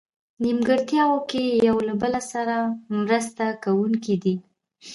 نیمګړتیاوو کې یو له بله سره مرسته کوونکي دي.